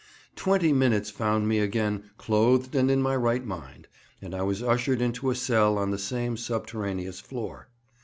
Twenty minutes found me again "clothed and in my right mind," and I was ushered into a cell on the same subterraneous floor.